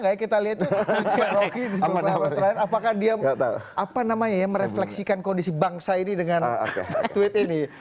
apakah dia merefleksikan kondisi bangsa ini dengan tweet ini